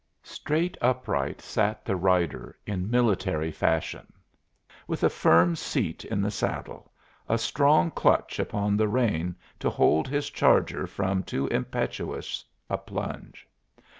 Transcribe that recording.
Straight upright sat the rider, in military fashion, with a firm seat in the saddle, a strong clutch upon the rein to hold his charger from too impetuous a plunge.